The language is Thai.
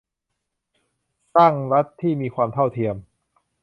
สร้างรัฐที่มีความเท่าเทียม